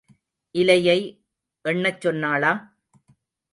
இலையை எண்ணச் சொன்னாளா?